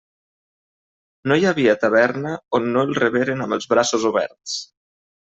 No hi havia taverna on no el reberen amb els braços oberts.